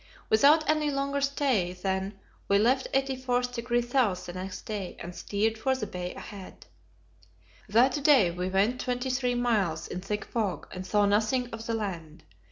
Without any longer stay, then, we left 84° S. the next day, and steered for the bay ahead. That day we went twenty three miles in thick fog, and saw nothing of the land.